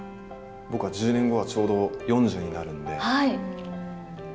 僕は１０年後はちょうど４０になるんで。